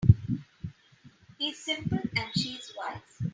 He's simple and she's wise.